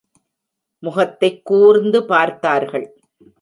முகத்தைக் கூர்ந்து பார்த்தார்கள்.